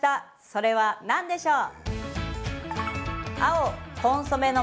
それは何でしょう？